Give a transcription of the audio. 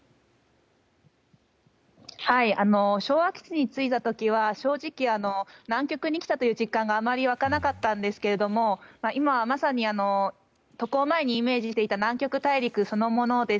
昭和基地に着いた時は正直、南極に来たという実感があまり湧かなかったんですが今はまさに渡航前にイメージしていた南極大陸そのものです。